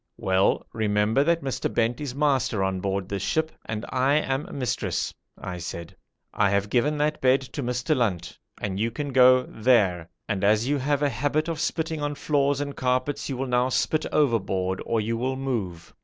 'Well remember that Mr. Bent is master on board this ship and I am mistress,' I said. 'I have given that bed to Mr. Lunt, and you can go there, and as you have a habit of spitting on floors and carpets you will now spit overboard or you will move.'